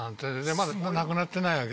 まだなくなってないわけでしょ？